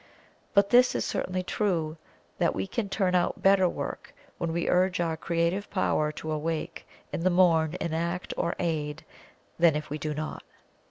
But this is certainly true, that we can turn out better work when we urge our creative power to awake in the morn and act or aid, than if we do not.